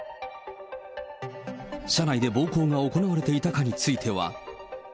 車内で暴行が行われていたかについては。